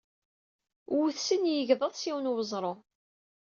Wet sin yegḍaḍ s yiwen weẓru.